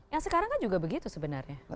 yang sekarang kan juga begitu sebenarnya